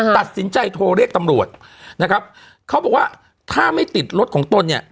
ตัดสินใจโทรเรียกตำรวจนะครับเขาบอกว่าถ้าไม่ติดรถของตนเนี่ย